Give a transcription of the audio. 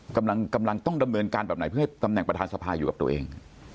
กำลังต้องดำเนินการแบบไหนเพื่อให้ตำแหน่งประธานสภาอยู่กับตัวเอง